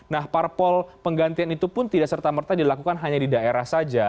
nah parpol penggantian itu pun tidak serta merta dilakukan hanya di daerah saja